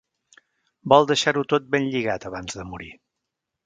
Vol deixar-ho tot ben lligat abans de morir.